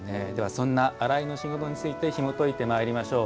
そんな「洗いの仕事」についてひもといてまいりましょう。